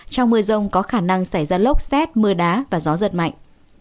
trong mưa rông có khả năng xảy ra lốc xét mưa đá và gió giật mạnh